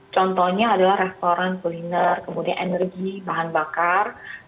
contohnya adalah restoran kuliner kemudian energi bahan bakar